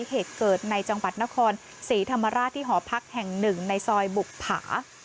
เหตุเกิดในจังหวัดนครศรีธรรมราชที่หอพักแห่งหนึ่งในซอยบุภา